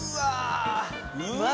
うわ！